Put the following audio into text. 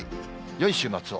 よい週末を。